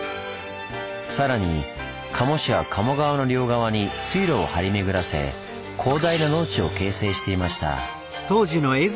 さらに賀茂氏は賀茂川の両側に水路を張り巡らせ広大な農地を形成していました。